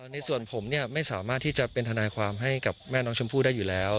ในส่วนผมไม่สามารถที่จะเป็นทนายความให้กับแม่น้องชมพู่ได้อยู่แล้ว